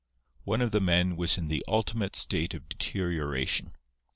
One of the men was in the ultimate stage of deterioration.